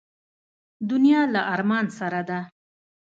دنیا له ارمان سره ده.